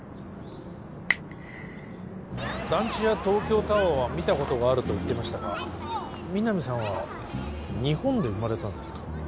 団地や東京タワーは見たことがあると言ってましたが皆実さんは日本で生まれたんですか？